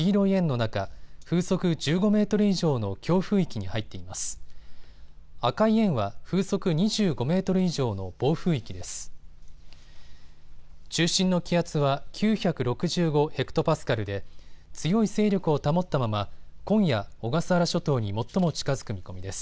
中心の気圧は９６５ｈＰａで強い勢力を保ったまま今夜、小笠原諸島に最も近づく見込みです。